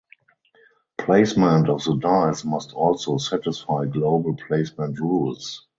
Placement of the dice must also satisfy global placement rules.